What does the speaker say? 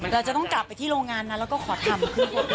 เราจะต้องกลับไปที่โรงงานนั้นแล้วก็ขอทำ